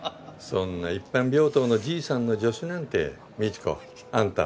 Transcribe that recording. そんな一般病棟のじいさんの助手なんて未知子あんた